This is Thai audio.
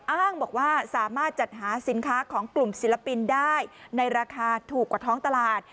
อ้างบอกว่าสามารถจัดหาสินค้าของกลุ่มศิลปินได้ในราคาถูกกว่าท้องตลาด